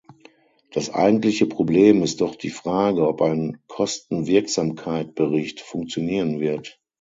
Das eigentliche Problem ist doch die Frage, ob ein Kosten-Wirksamkeit-Bericht funktionieren wird.